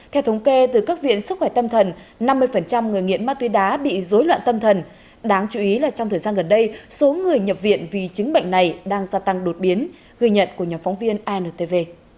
theo thống kê từ các viện sức khỏe tâm thần năm mươi người nghiện ma túy đá bị dối loạn tâm thần đáng chú ý là trong thời gian gần đây số người nhập viện vì chứng bệnh này đang gia tăng đột biến ghi nhận của nhóm phóng viên intv